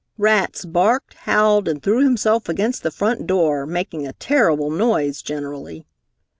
Rats barked, howled, and threw himself against the front door, making a terrible noise generally.